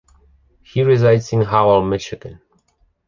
He resides in Howell, Michigan.